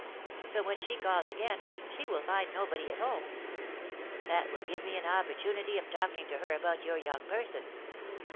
So, when she calls again, she will find nobody at home; that will give me an opportunity of talking to her about your young person.